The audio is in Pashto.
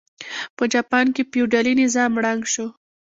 په جاپان کې فیوډالي نظام ړنګ شو.